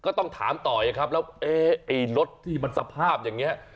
ก็ต้องถามต่อนะครับแล้วเอ๊ะไอ้รถที่มันสภาพอย่างนี้